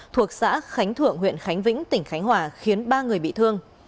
thuộc xã khánh thượng huyện khánh vĩnh tỉnh khánh hòa khiến ba người bị thương